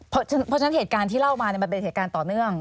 เพราะฉะนั้นเหตุการณ์ที่เล่ามามันเป็นเหตุการณ์ต่อเนื่อง